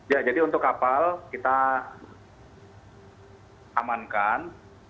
ya jadi untuk kapal kita amankan